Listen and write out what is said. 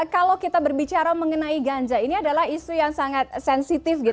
kalau kita berbicara mengenai ganja ini adalah isu yang sangat sensitif